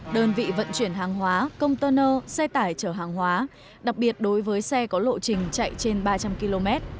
đơn vị vận chuyển hàng hóa công tơ nơ xe tải chở hàng hóa đặc biệt đối với xe có lộ trình chạy trên ba trăm linh km